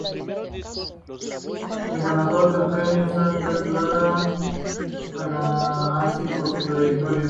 Ganador del premio Santa Clara de Asís por su trayectoria.